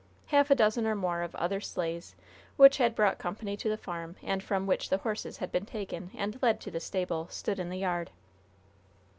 Half a dozen or more of other sleighs, which had brought company to the farm, and from which the horses had been taken and led to the stable, stood in the yard.